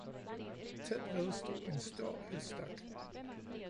Tæt ved stod en stor høstak.